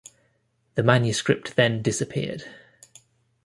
The manuscript then disappeared.